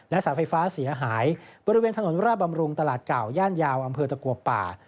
เสาไฟฟ้าเสียหายบริเวณถนนราบำรุงตลาดเก่าย่านยาวอำเภอตะกัวป่า